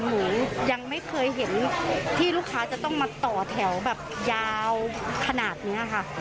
หมูยังไม่เคยเห็นที่ลูกค้าจะต้องมาต่อแถวแบบยาวขนาดนี้ค่ะ